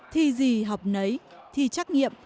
thi gì học nấy thi trắc nghiệm